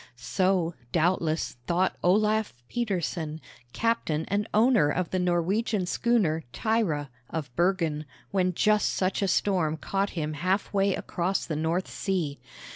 So, doubtless, thought Olaf Petersen, captain and owner of the Norwegian schooner Thyra, of Bergen, when just such a storm caught him half way across the North Sea.